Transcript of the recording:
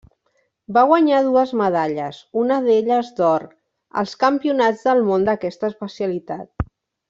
Va guanyar dues medalles, una d'elles d'or, als Campionats del món d'aquesta especialitat.